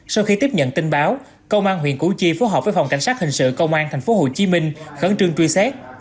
sau khi tiếp nhận tin báo công an huyện củ chi phối hợp với phòng cảnh sát hình sự công an thành phố hồ chí minh khấn trương truy xét